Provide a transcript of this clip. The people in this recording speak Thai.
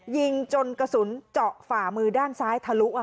ยิงจนกระสุนเจาะฝ่ามือด้านซ้ายทะลุ